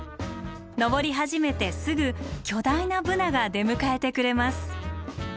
登り始めてすぐ巨大なブナが出迎えてくれます。